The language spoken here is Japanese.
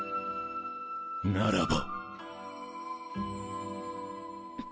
ならば！